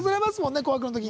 「紅白」の時に。